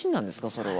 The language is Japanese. それは。